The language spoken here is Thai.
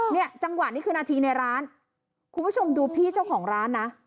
จังหวะนี้คือนาทีในร้านคุณผู้ชมดูพี่เจ้าของร้านนะ